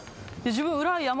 自分。